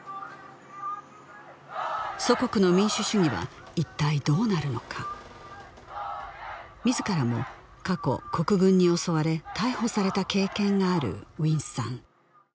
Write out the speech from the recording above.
祖国の民主主義は一体どうなるのか自らも過去国軍に襲われ逮捕された経験があるウィンさん